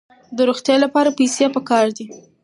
د روغتیا لپاره پیسې پکار دي.